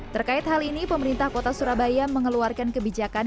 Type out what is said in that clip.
terkait hal ini pemerintah kota surabaya mengeluarkan kebijakan